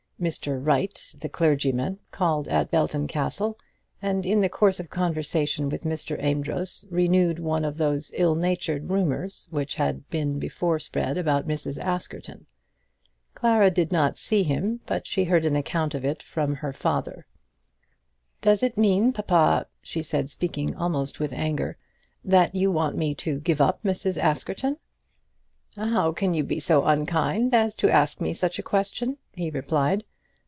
Mr. Wright, the clergyman, called at Belton Castle, and in the course of conversation with Mr. Amedroz renewed one of those ill natured rumours which had before been spread about Mrs. Askerton. Clara did not see him, but she heard an account of it all from her father. "Does it mean, papa," she said, speaking almost with anger, "that you want me to give up Mrs. Askerton?" "How can you be so unkind as to ask me such a question?" he replied.